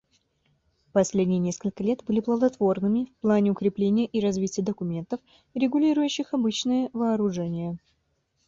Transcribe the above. Последние несколько лет были плодотворными в плане укрепления и развития документов, регулирующих обычные вооружения.